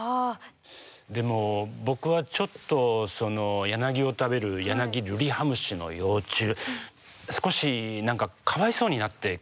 でも僕はちょっとヤナギを食べるヤナギルリハムシの幼虫少し何かかわいそうになってきましたね。